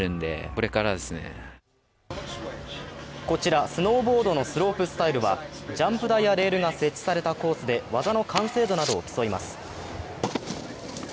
こちらスノーボードのスロープスタイルはジャンプ台やレールが設置されたコースで技の完成度などを競います。